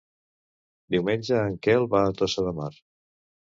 Diumenge en Quel va a Tossa de Mar.